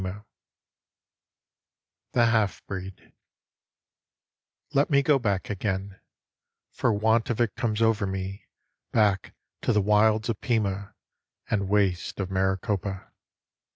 118 THE HALF BREED Let me go back again, For want of it comes over me, Back to wilds of Pima And wastes of Maricopa.